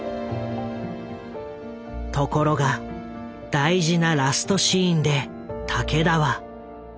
ところが大事なラストシーンで武田は。